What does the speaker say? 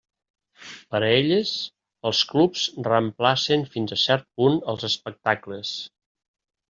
Per a elles, els clubs reemplacen fins a cert punt els espectacles.